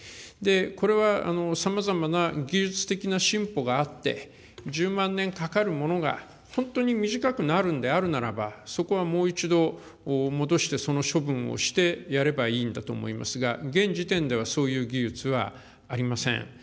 これはさまざまな技術的な進歩があって、１０万年かかるものが、ほんとうにみじかくなるんであるならば、そこはもう一度戻して、その処分をして、やればいいんだと思うんですが、現時点では、そういう技術はありません。